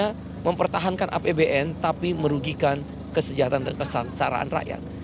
hanya mempertahankan apbn tapi merugikan kesejahteraan dan kesaraan rakyat